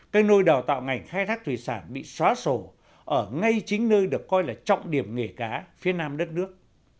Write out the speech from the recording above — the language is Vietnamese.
cây nôi đào tạo ngành khai thác thủy sản bị xóa sổ ở ngay chính nơi được coi là trọng điểm nghề cá phía nam đất nước